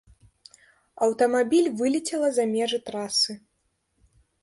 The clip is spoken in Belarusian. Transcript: Аўтамабіль вылецела за межы трасы.